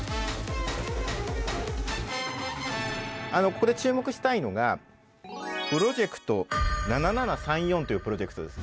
ここで注目したいのがプロジェクト７７３４というプロジェクトです。